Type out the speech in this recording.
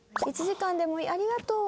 「１時間でもいいありがとう！